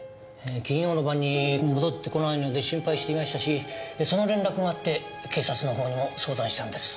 金曜の晩に戻ってこないので心配していましたしその連絡があって警察のほうにも相談したんです。